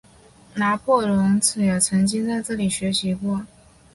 拿破仑也曾经在这里学习过。